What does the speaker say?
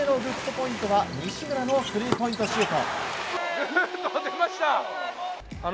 ポイントは西村のスリーポイントシュート。